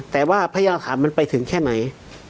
แต่ว่าพยานธรรมมันไปถึงแค่ไหน